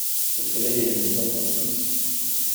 Le soleil et le mouvement pour tous.